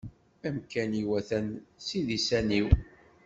Amkan-im atan s idisan-iw.